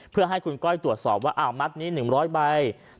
เพื่อให้คุณก้อยตรวจสอบว่ามัดนี้๑๐๐ใบ